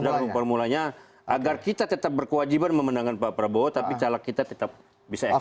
sudah ketemu formulanya agar kita tetap berkewajiban memenangkan pak prabowo tapi calak kita tetap bisa eksis